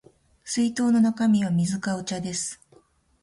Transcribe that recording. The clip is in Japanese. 水筒の中身は水かお茶です